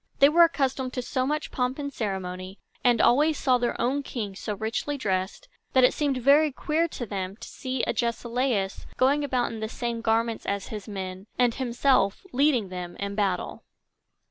They were accustomed to so much pomp and ceremony, and always saw their own king so richly dressed, that it seemed very queer to them to see Agesilaus going about in the same garments as his men, and himself leading them in battle.